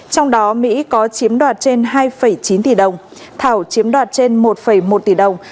trong đó mỹ có chiếm đoạt trên hai chín tỷ đồng thảo chiếm đoạt trên một một tỷ đồng